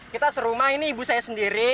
kita serumah ini ibu saya sendiri